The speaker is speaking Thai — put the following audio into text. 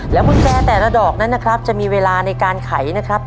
กุญแจแต่ละดอกนั้นนะครับจะมีเวลาในการไขนะครับ